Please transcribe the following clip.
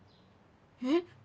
えっ？